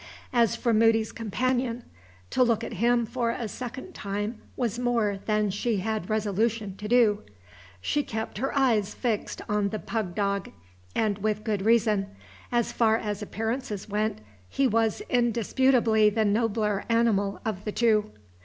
As for Moody's companion, to look at him for a second time was more than she had resolution to do. She kept her eyes fixed on the pug dog, and with good reason; as far as appearances went, he was indisputably the nobler animal of the two.